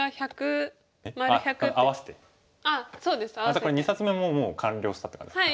じゃあこれ２冊目ももう完了したって感じですか。